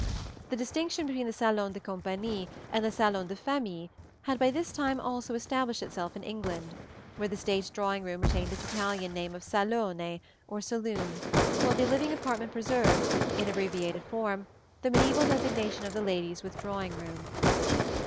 The distinction between the salon de compagnie and the salon de famille had by this time also established itself in England, where the state drawing room retained its Italian name of salone, or saloon, while the living apartment preserved, in abbreviated form, the mediæval designation of the lady's with drawing room.